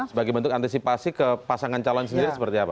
sebagai bentuk antisipasi ke pasangan calon sendiri seperti apa